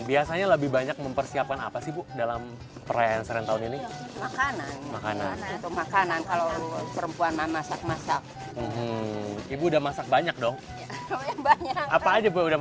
lalu diantarai di serentakun ini apa itu